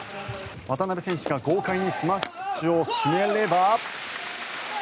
渡辺選手が豪快にスマッシュを決めれば。